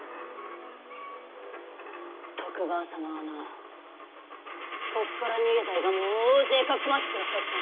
徳川様はなこっから逃げた伊賀者を大勢かくまってくださったんだ。